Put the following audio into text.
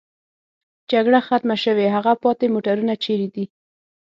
جګړه ختمه شوې، هغه پاتې موټرونه چېرې دي؟